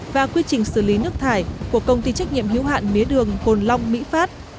và quy trình xử lý nước thải của công ty trách nhiệm hiếu hạn mía đường cồn long mỹ phát